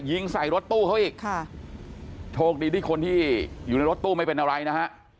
ยิงใส่รถตู้เขาอีกค่ะโชคดีที่คนที่อยู่ในรถตู้ไม่เป็นอะไรนะฮะ